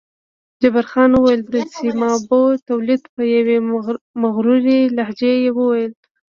جبار خان وویل: د سیمابو تولید، په یوې مغرورې لهجې یې وویل.